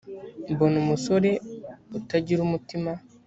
mbona umusore utagira umutima